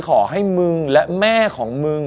ขอให้มึงและแม่ของมึง